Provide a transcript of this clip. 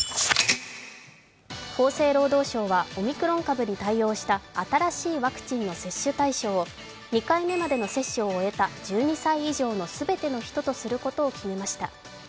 厚生労働省はオミクロン株に対応した新しいワクチンの接種対象を２回目までの接種を終えた１２歳以上の全ての人とすることを決めました。